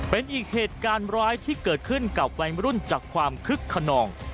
เป็นอีกเหตุการณ์ร้ายที่เกิดขึ้นกับวัยมรุ่นจากความคึกขนอง